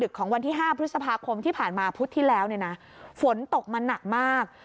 ของวันที่๕พฤษภาคมที่ผ่านมาพุธที่แล้วเนี่ยนะฝนตกมาหนักมาก